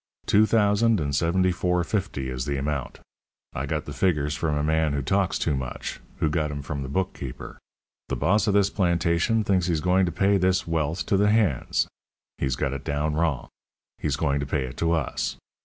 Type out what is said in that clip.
Two thousand and seventy four fifty is the amount. I got the figures from a man who talks too much, who got 'em from the bookkeeper. The boss of this plantation thinks he's going to pay this wealth to the hands. He's got it down wrong; he's going to pay it to us.